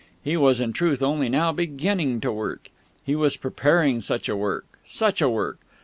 He was in truth only now beginning to work. He was preparing such a work ... such a work